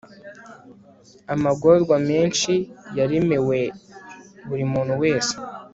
amagorwa menshi yaremewe buri muntu wese